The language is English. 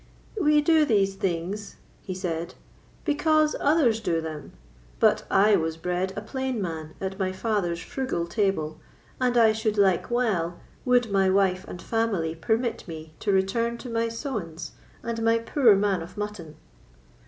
"We do these things," he said, "because others do them; but I was bred a plain man at my father's frugal table, and I should like well would my wife and family permit me to return to my sowens and my poor man of mutton."